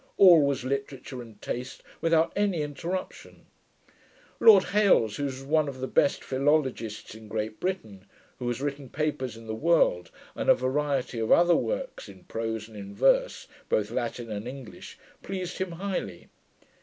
All was literature and taste, without any interruption. Lord Hailes, who is one of the best philologists in Great Britain, who has written papers in the World, and a variety of other works in prose and in verse, both Latin and English, pleased him highly.